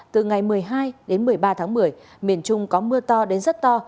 từ ngày một mươi hai đến một mươi ba tháng một mươi miền trung có mưa to đến rất to